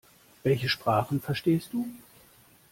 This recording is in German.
Welche Sprachen verstehst du?